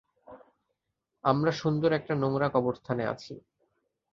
আমরা সুন্দর একটা নোংরা কবরস্থানে আছি।